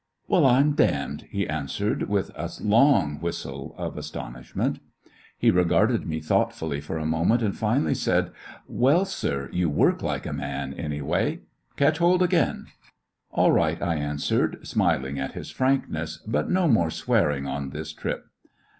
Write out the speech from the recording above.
"Well, I 'm d—d !" he answered, with a long whistle of astonishment. He regarded me thoughtfully for a moment, A man, anyway and finally said, "Well, sir, you work like a man, anyway. Ketch hold again." "All right," I answered, smiling at his frankness; "but no more swearing on this trip."